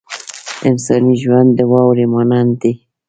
انساني ژوند د واورې مانند دی.